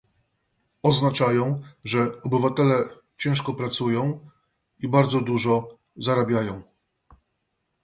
Oznaczają, że obywatele ciężko pracują i bardzo dużo zarabiają